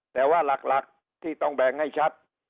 แต่ว่าหลักที่ต้องแบ่งให้ชัด